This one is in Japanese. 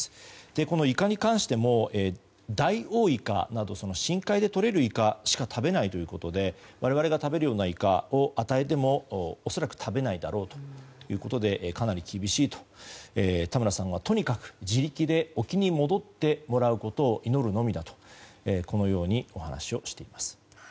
このイカに関してもダイオウイカなど深海でとれるイカしか食べないということで我々が食べるようなイカを与えても恐らく食べないだろうということでかなり厳しいと田村さんはとにかく自力で沖に戻ってもらうことを祈るのみだとこのようにお話をしています。